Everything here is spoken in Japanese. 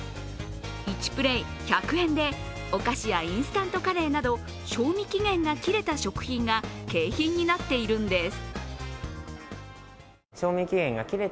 １プレー１００円でお菓子やインスタントカレーなど賞味期限が切れた食品が景品になっているんです。